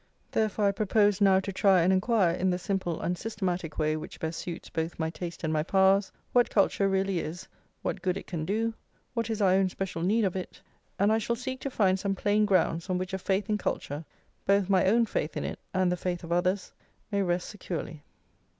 Therefore I propose now to try and enquire, in the simple unsystematic way which best suits both my taste and my powers, what culture really is, what good it can do, what is our own special need of it; and I shall seek to find some plain grounds on which a faith in culture both my own faith in it and the faith of others, may rest securely.